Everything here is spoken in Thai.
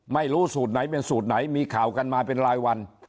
ไม่รู้สูตรไหนเป็นสูตรไหนมีข่าวกันมาเป็นรายวัน